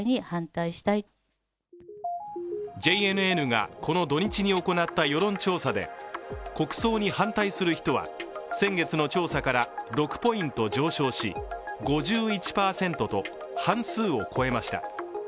ＪＮＮが、この土日に行った世論調査で国葬に反対する人は、先月の調査から６ポイント上昇し５１％と半数を超えました。